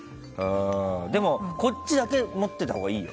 でも、こっちだけ持ってたほうがいいよ。